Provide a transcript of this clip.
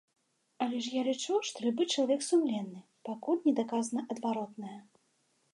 Але ж я лічу, што любы чалавек сумленны, пакуль не даказана адваротнае.